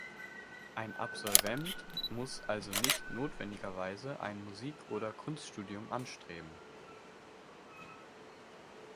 Ein Absolvent muss also nicht notwendigerweise ein Musik- oder Kunststudium anstreben.